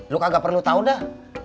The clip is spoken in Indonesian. you gak perlu tau dah